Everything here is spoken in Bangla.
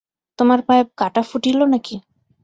তোমার পায়ে কাঁটা ফুটিল নাকি।